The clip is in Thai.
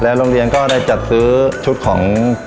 ทางโรงเรียนยังได้จัดซื้อหม้อหุงข้าวขนาด๑๐ลิตร